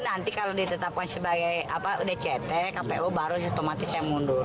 nanti kalau ditetapkan sebagai dct kpu baru otomatis saya mundur